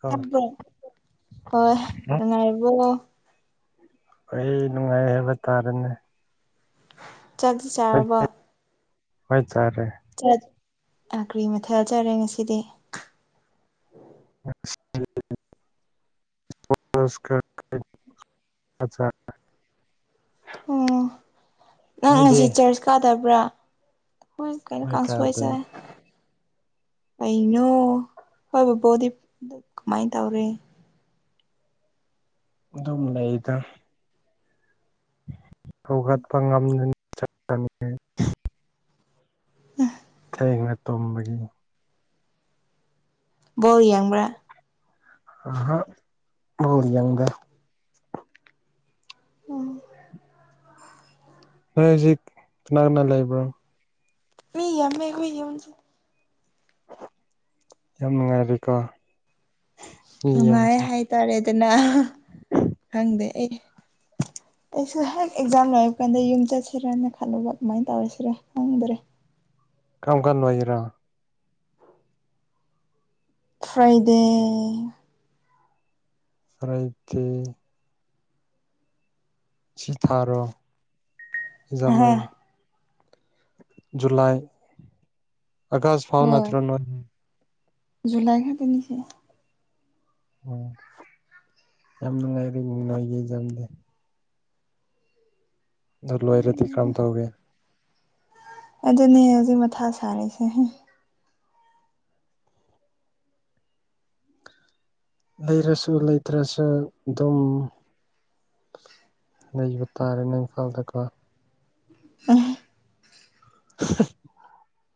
ꯀꯣ ꯍꯉꯥꯏꯔꯤꯕꯣ ꯑꯩ ꯅꯨꯡꯉꯥꯏ ꯍꯥꯏꯕ ꯇꯥꯔꯦꯅꯦ ꯆꯥꯛꯁꯤ ꯆꯥꯔꯕ ꯍꯣꯏ ꯆꯥꯔꯦ ꯑ ꯀ꯭ꯔꯤ ꯃꯊꯥꯖꯔꯦ ꯉꯁꯤꯗꯤ [inaudible] [inaudible] ꯎꯝ ꯅꯪ ꯅꯣꯏꯗꯤ ꯉꯁꯤ ꯆꯔꯆ ꯀꯥꯗꯕ꯭ꯔꯥ ꯍꯣꯏ ꯀꯩꯅꯣ ꯅꯣꯏ ꯀꯥꯗꯤ ꯀꯥꯡꯁꯨꯁꯦ ꯀꯩꯅꯣ ꯍꯣꯏ ꯕꯕꯣꯗꯤ ꯀꯃꯥꯏꯅ ꯇꯧꯔꯤ ꯑꯗꯨꯗꯝ ꯂꯩꯗ ꯄꯘꯠ ꯄꯝꯗ ꯆ ꯑ ꯍꯦꯡꯅ ꯇꯣꯝꯕꯒꯤ ꯕꯣ ꯌꯦꯡꯕ꯭ꯔꯥ ꯑ ꯃꯔꯤ ꯌꯥꯗ ꯎꯝ ꯅꯣꯏ ꯍꯧꯖꯤꯛ ꯀꯅꯥ ꯀꯅꯥ ꯂꯩꯕ꯭ꯔꯣ ꯃꯤ ꯌꯥꯃꯦꯈ ꯍꯨꯁꯨ ꯌꯥꯝ ꯅꯨꯡꯉꯥꯏꯕꯤꯀ ꯅꯨꯡꯉꯥꯏ ꯍꯥꯏꯇꯥꯔꯦꯗꯅ ꯈꯪꯗꯦ ꯑꯩ ꯑꯩꯁꯨ ꯍꯦꯛ ꯑꯦꯛꯖꯥꯝ ꯂꯣꯏꯕ ꯀꯥꯟꯗ ꯌꯨꯝ ꯆꯠꯁꯤꯔꯅ ꯈꯜꯂꯨꯕ ꯑꯗꯨꯃꯥꯏꯅ ꯇꯧꯔꯁꯤꯔ ꯈꯪꯗ꯭ꯔꯦ ꯀꯔꯝ ꯀꯥꯟꯅꯨꯡꯉꯥꯏꯔ ꯐ꯭ꯔꯥꯏꯗꯦ ꯁꯔꯥꯏꯇ ꯁꯤ ꯍꯥ ꯊꯥꯔꯣꯖꯝꯣꯏ ꯖꯨꯂꯥꯏ ꯑꯒꯁ ꯐꯥꯎꯅ ꯍꯣꯏ ꯇꯔ ꯖꯨꯂꯥꯏ ꯈꯥ ꯇꯅꯤꯁꯤ ꯎꯝ ꯌꯥꯝꯅꯅꯨꯡꯉꯥꯏꯔꯤ ꯃꯅꯦ ꯌꯥꯝꯗꯦ ꯑꯗꯨ ꯂꯣꯏꯔꯗꯤ ꯀꯔꯝ ꯇꯧꯒꯦ ꯑꯗ ꯅ ꯍꯥꯖꯤ ꯃꯊꯥ ꯁꯔꯦꯁ ꯂꯩꯔꯁꯨ ꯂꯩꯇ꯭ꯔꯁꯨ ꯑꯗꯨꯝ ꯂꯩꯕ ꯇꯥꯔꯦꯅꯦ ꯏꯟꯐꯜ ꯇꯀ ꯑ [inaudible]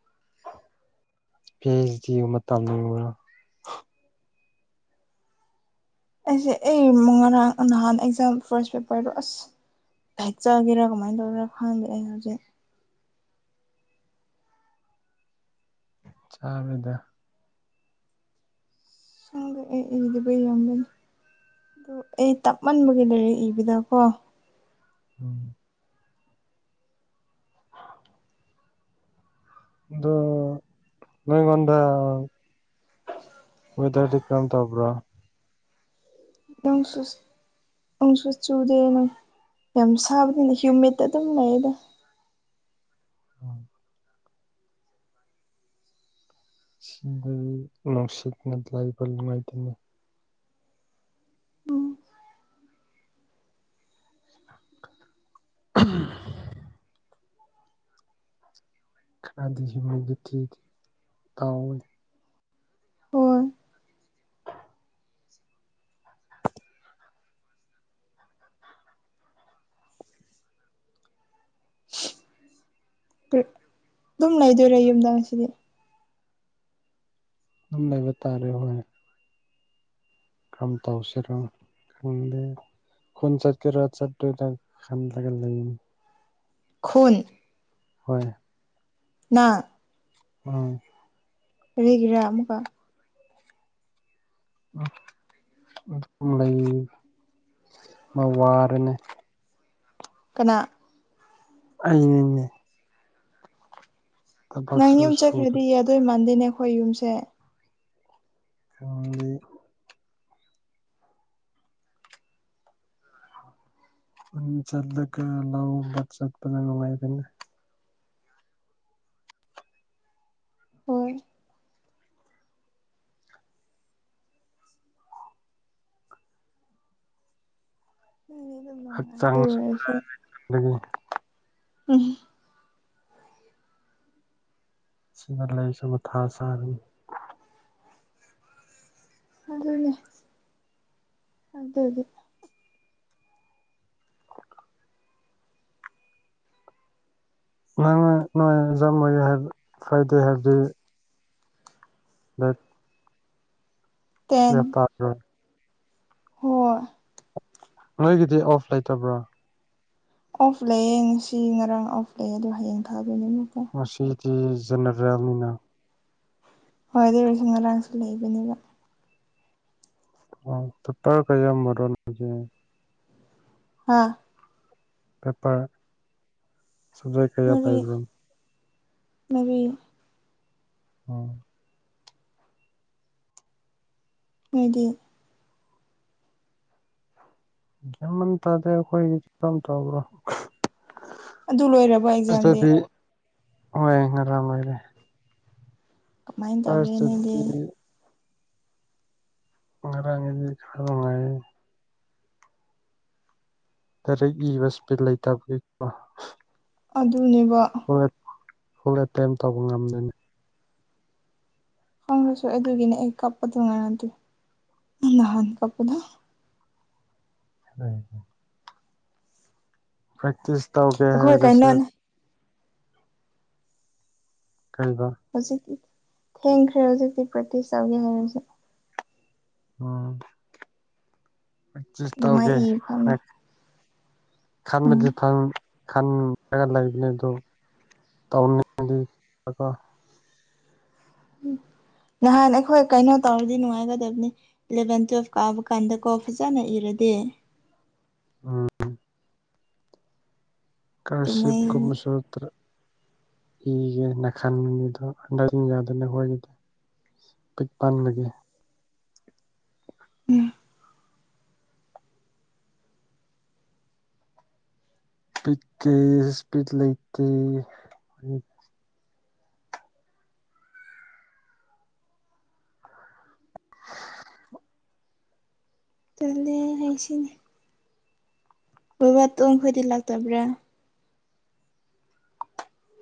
ꯄꯤ ꯑꯩꯁ ꯗꯤ ꯃꯇꯝꯕ ꯑꯩꯁꯦ ꯑꯩ ꯉꯔꯥꯡ ꯅꯍꯥꯟ ꯑꯦꯛꯖꯥꯝ ꯐꯥꯔꯁ ꯄꯦꯄꯔꯗꯣ ꯑꯁ ꯥꯏꯠ ꯆꯒꯦꯔꯥ ꯀꯃꯥꯏꯅ ꯇꯧꯔ ꯈꯪꯗ ꯑꯩ ꯍꯧꯖꯤꯛ ꯆꯥꯕꯗ ꯁꯒꯦ ꯏꯗꯤꯕ ꯌꯥꯝꯒꯅꯤ ꯑꯗꯨ ꯑꯩ ꯇꯞꯃꯟꯕꯒꯤ ꯂꯩꯔꯦ ꯏꯕꯤꯗꯀꯣ꯫ ꯎꯝ꯫ ꯑꯣ ꯅꯣꯏ ꯉꯣꯟꯗ ꯋꯦꯗꯔ ꯀ꯭ꯔꯝ ꯇꯕ꯭ꯔꯣ ꯅꯪ ꯁꯁ ꯅꯪꯁꯨꯨ ꯆꯨꯗꯦ ꯅꯪ ꯌꯥꯝ ꯁꯥꯕꯅꯤꯅ ꯍ꯭ꯌꯨꯃꯤꯠꯇ ꯑꯗꯨꯝ ꯂꯩꯗ ꯎꯝ ꯁꯤꯗꯤ ꯅꯨꯡꯁꯤꯠꯅ ꯂꯥꯏꯕ ꯅꯨꯡꯉꯥꯏꯇꯅꯤ ꯎꯝ ꯎꯝ ꯈꯔꯗꯤ ꯍ ꯃꯣꯏꯗꯤ ꯊꯤꯗꯤ ꯇꯥꯎꯋꯦ ꯍꯣꯏ ꯑꯗꯨꯝ ꯂꯩꯗꯣꯏꯔꯦ ꯌꯨꯝꯗ ꯑꯁꯤꯗꯤ ꯑꯗꯨꯝ ꯂꯩꯕꯇꯥꯔꯦ ꯍꯣꯏ ꯀꯝ ꯇꯧꯁꯤꯔꯣ ꯈꯪꯗꯦ ꯈꯣꯟ ꯆꯠ ꯀꯦ ꯔꯠ ꯆꯠꯗꯗ ꯈꯥꯟ ꯇꯦꯜ ꯂꯩ ꯈꯨꯟ ꯍꯣꯏ [inaudible] [unintelligible] ꯎꯝ ꯂꯩꯒꯔ ꯑꯃꯨꯀ ꯎ ꯑꯗꯨ ꯂꯩ ꯑꯃ ꯋꯥꯔꯅꯦ ꯀꯅꯥ ꯑꯅꯦꯅꯦ ꯅꯪ ꯌꯨꯝ ꯁꯨꯗ ꯆꯠꯈ꯭ꯔꯗꯤ ꯌꯥꯗꯣꯏ ꯃꯥꯟꯗꯦꯅꯦ ꯑꯩꯈꯣꯏ ꯌꯨꯝꯁꯦ ꯑꯗꯤ ꯆꯠꯂꯀ ꯆꯠꯄꯖꯅꯨꯡꯉꯥꯏꯅꯦ ꯑꯣꯏ ꯑꯩꯗꯤ ꯑꯗꯨꯝ ꯅꯨꯡꯉꯥꯏ ꯑꯗꯨ ꯑꯣꯏꯔꯁꯨ ꯍꯛꯆꯥꯡꯗꯒꯤ ꯎꯝ ꯁꯤ ꯂꯩ ꯆ ꯊ ꯁꯥꯔ ꯑꯗꯨꯗꯤ ꯑꯗ ꯑꯗꯨꯦ ꯅꯪ ꯅꯣꯏ ꯖꯃꯣꯏꯒꯤ ꯍꯥꯏ ꯐ꯭ꯔꯥꯏꯗꯦ ꯍꯥꯏꯕꯗꯤ ꯑ ꯁꯤ ꯇ ꯍꯣꯏꯣꯏ ꯅꯣꯏꯒꯤꯗꯤ ꯑꯣꯐ ꯂꯩꯇꯕ꯭ꯔꯣ ꯑꯣꯐ ꯂꯩꯌꯦ ꯉꯁꯤ ꯉꯔꯥꯡ ꯑꯣꯐ ꯂꯩꯌꯦ ꯑꯗꯨꯗꯣ ꯍꯌꯦꯡ ꯊ ꯃꯁꯤꯗꯤ ꯖꯅꯔꯅꯤꯅ ꯍꯣꯏ ꯑꯗꯨꯁ ꯉꯔꯥꯡꯁꯨ ꯂꯩꯕꯅꯤꯕ ꯑ ꯇ ꯇ ꯀꯩ ꯌꯥꯝ ꯃꯔꯔꯣꯖꯤꯦ ꯍꯥꯥ ꯄꯦꯄꯔ ꯁꯖꯣꯏ ꯀꯩꯌꯥ ꯄꯥꯏꯕ꯭ꯔꯝ ꯃꯕꯤ ꯎꯝ ꯑꯗꯨꯣꯏꯗꯤ ꯌꯥꯝꯃꯟ ꯇꯥꯗ ꯑꯩꯈꯣꯏꯒꯤ ꯇꯧꯕ꯭ꯔꯣ ꯑꯗꯨ ꯂꯣꯏꯔꯕ ꯑꯦꯛꯖꯥꯝꯗꯤ ꯐꯥꯔꯁꯇꯗꯤ ꯍꯣꯏ ꯉꯔ ꯑꯣꯏꯥꯏꯔꯦ ꯀꯃꯥꯏꯅ ꯇꯧꯔꯤꯦ ꯅꯣꯏꯗꯤ ꯉꯔꯥꯡꯗꯤ ꯈꯕꯉꯑ ꯀꯔꯦꯛ ꯏꯕ ꯏꯁꯄꯤ ꯂꯩꯇꯕꯒꯤꯀꯣ ꯑꯗꯨꯅꯦꯕ ꯍꯂꯦ ꯀꯦꯝꯝ ꯇꯧꯕ ꯉꯝꯗꯣꯏꯅꯤ ꯈꯪꯉ꯭ꯔꯁꯨꯣꯏ ꯑꯗꯨꯒꯤꯅꯦ ꯑꯩ ꯀꯞꯄꯗꯣ ꯉꯥꯏꯅꯗꯦ ꯅꯍꯥꯟ ꯀꯞꯄꯗꯣ ꯍ ꯄ꯭ꯔꯦꯛꯇꯛꯇꯤꯁ ꯇꯧ ꯀꯦ ꯑꯩꯈꯣꯏ ꯍꯥꯏꯗꯁ ꯀꯩꯅꯣꯅꯦ ꯀꯩꯕ ꯍꯧꯖꯤꯛꯇꯤ ꯊꯦꯡꯈ꯭ꯔꯦ ꯍꯧꯖꯤꯛꯇꯤ ꯄ꯭ꯔꯇꯤꯁ ꯆꯥꯎꯧꯒꯦ ꯍꯥꯏꯔꯁ ꯎꯝ ꯄꯆꯤꯁ ꯑꯗꯨꯃꯥꯏ ꯇꯧꯒꯦ ꯏ ꯐꯝꯃꯦ ꯈꯥꯟ ꯎꯝ ꯃꯗꯤ ꯐꯥꯟ ꯈꯟꯒ ꯂꯩꯕꯅꯦ ꯑꯗꯨ ꯇꯧꯅꯤꯡꯉꯗꯤ ꯎꯝ ꯅꯍꯥꯟ ꯑꯩꯈꯣꯏ ꯀꯩꯅꯣ ꯇꯧꯔꯗꯤ ꯅꯨꯡꯉꯥꯏꯒꯗꯕꯅꯤ ꯏꯂꯚꯦꯟ ꯇꯨꯋꯦꯜꯐ ꯀꯥꯕ ꯀꯥꯟꯗ ꯀꯣ ꯐꯖꯅ ꯏꯔꯗꯤ ꯗꯦ ꯎꯝ ꯀꯁꯤ꯭ꯞ ꯑꯗꯨꯃꯥꯏꯅ ꯀꯨꯝꯃꯁꯣꯗ ꯏꯒꯦ ꯅꯥꯈꯜꯅꯤꯗꯣ ꯍꯟꯗꯁꯤꯡ ꯌꯥꯗꯅ ꯍꯣꯏꯈꯤꯗꯦ ꯄꯛ ꯄꯥꯟ ꯂꯦ ꯎꯝ ꯄꯤꯛꯀꯦ ꯏꯁꯄꯤꯠ ꯂꯩꯇꯦ ꯆꯂꯦ ꯍꯥꯏꯁꯤꯅꯤ ꯕꯕꯥ ꯇꯨꯡ ꯈꯣꯏꯗꯤ ꯂꯥꯛꯇꯕ꯭ꯔꯥ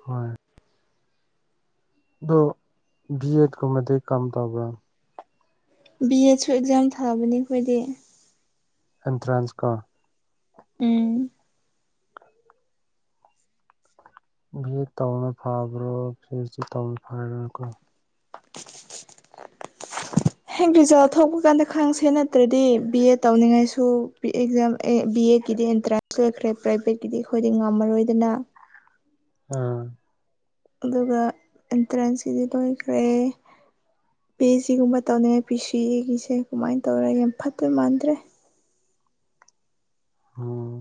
ꯍꯣꯏ ꯗꯣ ꯕꯤ ꯑꯦꯠ ꯀꯃꯗꯤ ꯀꯝ ꯇꯥꯕ꯭ꯔꯥ ꯕꯤ ꯑꯦꯗꯁꯨ ꯑꯦꯛꯖꯥꯝ ꯊꯥꯕꯅꯤ ꯑꯩꯈꯣꯏꯗꯤ ꯑꯦꯟꯇ꯭ꯔꯥꯟꯁꯀꯥ ꯎꯝ ꯚ ꯇꯧꯅ ꯐꯕ꯭ꯔꯣ ꯐꯚꯁꯤ ꯇꯧꯅ ꯐꯔꯅꯀꯣ ꯍꯦꯛ ꯔꯤꯖꯥꯜ ꯊꯣꯛꯄ ꯀꯥꯟꯗ ꯈꯪꯁꯦ ꯅꯠꯇ꯭ꯔꯗꯤ ꯕꯤ ꯑꯦ ꯇꯧꯅꯤꯡꯉꯥꯏꯁꯨ ꯑꯦꯛꯖꯥꯝ ꯑꯦ ꯕꯤ ꯑꯦ ꯗꯤ ꯑꯦꯟꯇ꯭ꯔꯥꯟꯁ ꯂꯈ꯭ꯔꯦ ꯄ꯭ꯔꯥꯏꯚꯦꯠꯀꯤꯗꯤ ꯑꯩꯈꯣꯏꯗꯤ ꯉꯝꯃꯔꯣꯏꯗꯅ ꯑꯥ ꯑꯗꯨꯒ ꯑꯦꯟꯇ꯭ꯔꯦꯟꯁꯀꯤꯗꯤ ꯂꯣꯏꯈ꯭ꯔꯦ ꯄꯤ ꯑꯩꯆ ꯁꯤꯒꯨꯝꯕ ꯇꯧꯅꯤꯡꯉ ꯄꯤ ꯁꯤ ꯑꯦꯒꯤꯁꯦ ꯀꯃꯥꯏꯅ ꯇꯧꯔ ꯌꯥꯝ ꯐꯠꯇꯣꯏ ꯃꯥꯟꯗ꯭ꯔꯦ ꯑꯣꯝ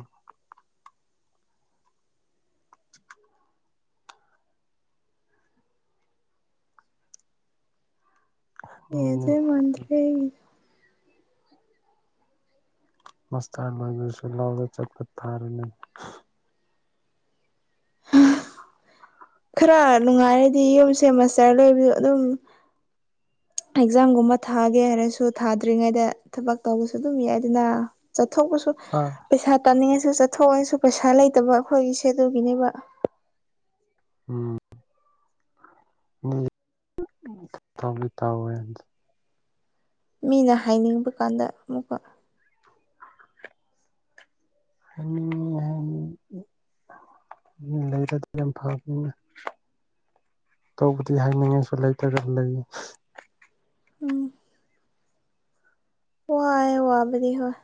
ꯌꯦꯗꯦ ꯎꯝ ꯃꯟ꯭ꯔꯔꯤ ꯏ ꯃꯁꯇ ꯂꯁꯨ ꯂꯥꯎꯗ ꯆꯠꯄ ꯊꯥꯔꯅꯤ ꯈꯔ ꯅꯨꯡꯉꯥꯏꯔꯗꯤ ꯌꯨꯝ ꯁꯦꯃꯁꯇꯔ ꯂꯣꯏꯕꯤꯌ ꯑꯗꯨꯝ ꯑꯦꯛꯖꯥꯝꯒꯨꯝꯕ ꯊꯥꯒꯦ ꯍꯥꯏꯔꯁꯨ ꯊꯥꯗ꯭ꯔꯤꯉꯩꯗ ꯊꯕꯛ ꯇꯧꯕꯁꯨ ꯑꯗꯨꯝ ꯌꯥꯏ ꯑꯗꯨꯅ ꯊꯧꯕꯁꯨ ꯑꯥ ꯄꯩꯁꯥ ꯇꯥꯅꯤꯡꯉ ꯁꯁꯨ ꯆꯠꯊꯣꯛꯑꯣꯅꯁꯨ ꯄꯩꯁꯥ ꯂꯩꯇꯕ ꯑꯩꯈꯣꯏꯒꯤꯁꯦ ꯑꯗꯨꯒꯤꯅꯦꯕ ꯎꯝ ꯇ ꯃꯤꯅ ꯍꯥꯏꯅꯤꯡꯕ ꯀꯥꯟꯗ ꯑꯃꯨꯛꯀ ꯍ ꯎꯝ ꯂꯩꯔꯗꯤ ꯌꯥꯝ ꯐꯕꯅꯤꯅꯦ ꯇꯧꯕꯗꯤ ꯍꯥꯏꯅꯤꯡꯉꯥꯏꯁꯨ ꯂꯩꯇꯒ ꯂꯩ ꯋꯥ ꯋꯥ ꯋꯥꯕꯔꯤ ꯍꯣꯏ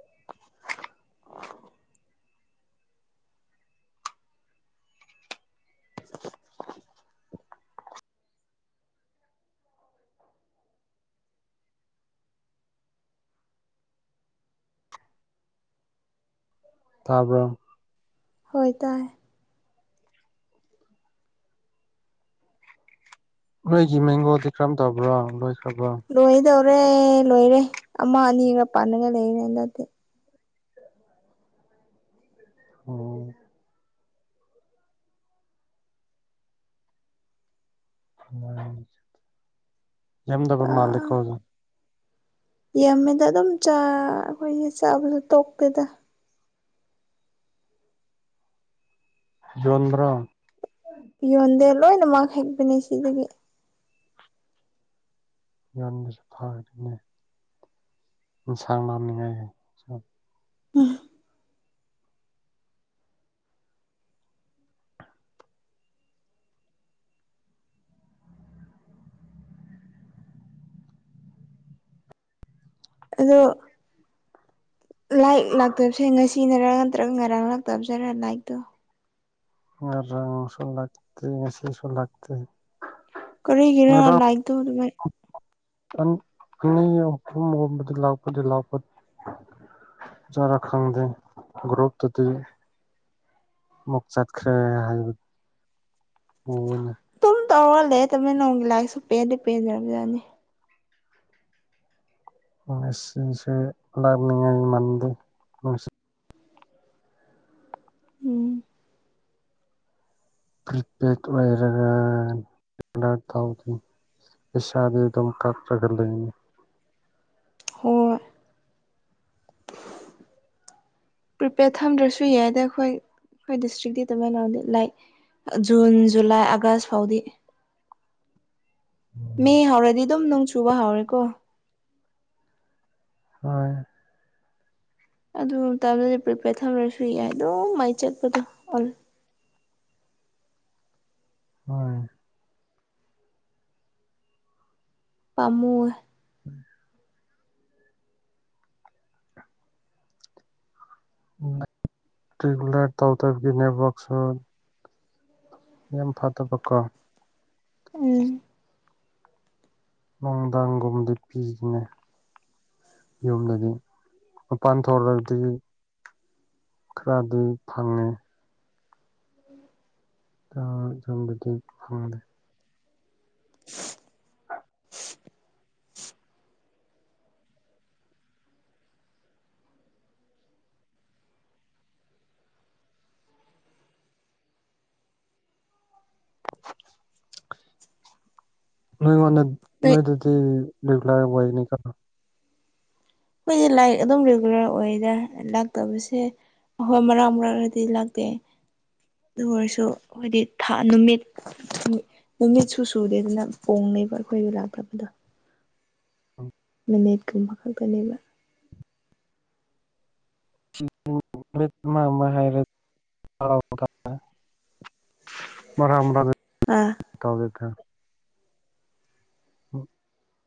[inaudible] [inaudible] ꯇꯥꯔꯕ ꯍꯣꯏ ꯇ ꯅꯣꯏꯒꯤ ꯃꯦꯡꯒꯣꯗꯤ ꯀꯔꯝ ꯇꯕ꯭ꯔꯣ ꯅꯣꯏ ꯂꯣꯏꯗꯧꯔꯦ ꯂꯣꯏꯔꯦ ꯑꯃ ꯑꯅꯤꯒ ꯄꯥꯟꯜꯂꯒ ꯂꯩꯔꯦ ꯍꯟꯗꯗꯤꯦ ꯑꯣꯝ ꯎ ꯌꯥꯝꯗꯕ ꯃꯥꯜꯂꯤ ꯀꯧꯖ ꯌꯥꯝꯃꯦꯗ ꯑꯗꯨꯝ ꯑꯩꯈꯣꯏꯒꯤ ꯆꯥꯕꯗ ꯇꯣꯛꯄꯦꯗ ꯆꯟꯗ꯭ꯔ ꯌꯣꯟꯗꯦ ꯂꯣꯏꯅꯃꯛ ꯍꯦꯛꯄꯅꯦ ꯁꯤꯗꯒꯤ ꯌꯣꯟꯕꯁꯨ ꯐꯥꯒꯅꯤ ꯏꯟꯁꯥꯡ ꯂꯝꯅꯤꯡꯉꯥꯏ ꯍꯥꯏ ꯑꯗꯣ ꯂꯥꯏꯛ ꯂꯥꯛꯇꯕꯁꯦ ꯉꯁꯤ ꯅꯔꯥꯡ ꯅꯠꯇ꯭ꯔꯒ ꯉꯔꯥꯡ ꯂꯥꯛꯇꯕꯁꯔꯥ ꯂꯥꯏꯔꯤꯛꯇꯣ ꯑ ꯔꯁꯜ ꯂꯥꯛꯇ ꯉꯦꯁꯤꯁꯜ ꯂꯥꯛꯇ ꯀꯔꯔꯤꯒꯅ ꯂꯥꯏꯛꯇ ꯑꯗꯨꯥꯏ ꯑꯍꯂꯂꯄ ꯆꯔ ꯈꯪꯗ ꯒ꯭ꯔꯣꯞꯇꯗꯤ ꯑꯃꯨꯛ ꯆꯠꯈ꯭ꯔꯦ ꯍꯥꯏꯕꯗꯨ ꯑꯣꯏꯅ ꯇꯧꯔꯂꯦ ꯑꯗꯨꯃꯤ ꯅꯣꯡꯒꯤ ꯂꯥꯏꯔꯤꯛꯁꯨ ꯄꯦꯟꯗꯤ ꯄꯦꯟꯗꯔꯕꯖꯥꯅꯤ ꯁꯁꯨ ꯂꯔꯅꯤꯡ ꯃꯗ ꯎꯝ ꯄ꯭ꯔꯤꯄꯦꯗ ꯑꯣꯏꯔꯒ ꯑꯣ ꯇꯧꯗꯦ ꯄꯁꯥꯗꯗꯝ ꯀꯥꯠ꯭ꯔꯒ ꯂꯩꯣꯏꯅꯤ ꯍꯣꯏ ꯄ꯭ꯔꯤꯄꯦꯗ ꯊꯝꯗ꯭ꯔꯁꯨ ꯌꯥꯏ ꯑꯗ ꯑꯩꯈꯣꯏ ꯑꯩꯈꯣꯏ ꯗꯤꯁꯇ꯭ꯔꯤꯛꯇꯤ ꯑꯗꯨꯃꯥꯏꯅꯗꯤ ꯂꯥꯏꯛ ꯖꯨꯟ ꯖꯨꯂꯥꯏ ꯑꯥꯒꯁ ꯐꯥꯎꯗꯤ ꯃꯦ ꯍꯧꯥꯎꯔꯗꯤ ꯑꯗꯨꯝ ꯅꯣꯡ ꯆꯨꯕ ꯍꯧꯥꯎꯔꯦꯀꯣ ꯍꯣꯏ ꯑꯗꯨ ꯃꯇꯝꯗꯗꯤ ꯄ꯭ꯔꯤꯄꯦꯌꯔ ꯊꯝꯃꯔꯁꯨ ꯌꯥꯏ ꯑꯗꯨꯝ ꯃꯥꯏ ꯆꯠꯄꯗꯣ ꯑꯣ ꯍꯣꯏ ꯄꯥꯃꯨ ꯎ ꯒꯂ ꯇꯧ ꯇꯞꯀꯤꯅꯦꯕꯁꯣꯟ ꯌꯥꯝꯦꯝ ꯐꯥꯗꯕꯀꯣ ꯎꯝ ꯅꯨꯡꯗꯥꯡꯒꯨꯝꯗꯤ ꯄꯤꯔꯤꯅꯦ ꯌꯨꯝꯗꯗꯤ ꯃꯄꯥꯟ ꯊꯣꯛꯧꯗꯒꯤ ꯈꯔꯗꯤ ꯐꯪꯉꯦ ꯑ ꯆꯝꯕꯗꯤ ꯐꯉꯗꯦ ꯅꯣꯏ ꯅꯣꯏ ꯑꯗꯨꯗꯤ ꯔꯦꯒꯨꯂꯔ ꯑꯣꯏꯅꯤ ꯀꯣ ꯑꯩꯈꯣꯏꯁꯦ ꯂꯥꯏꯔꯤꯛ ꯑꯗꯨꯝ ꯔꯤꯒꯨꯂꯔ ꯑꯣꯏꯗ ꯂꯥꯛꯇꯕꯁꯦ ꯍꯣꯏ ꯃꯔꯥꯡ ꯃꯔꯥꯡꯔꯗꯤ ꯂꯥꯛꯇꯦ ꯑꯗꯨ ꯑꯣꯏꯔꯁꯨ ꯍꯥꯏꯣꯏꯗꯤ ꯅꯨꯃꯤꯠ ꯅꯨꯃꯤꯠꯁꯨ ꯁꯨꯗꯦ ꯑꯗꯨꯅ ꯄ ꯕ ꯑꯩꯈꯣꯏꯒꯤ ꯂꯥꯛꯇꯕꯗꯣ ꯃꯤꯅꯦꯠꯀꯨꯝꯕ ꯈꯛꯇꯅꯦꯕ ꯍꯥꯏꯔ ꯃꯔꯔ ꯑꯥ ꯇ ꯍ